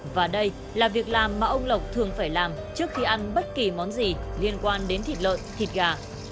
và đây là việc làm mà ông lộc thường phải làm trước khi ăn bất kỳ món gì liên quan đến thịt lợn thịt gà